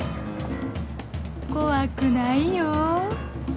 怖くないよ